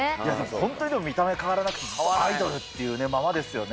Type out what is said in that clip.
本当に見た目、変わらなくて、アイドルっていうね、ままですよね。